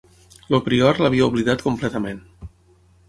El prior l'havia oblidat completament.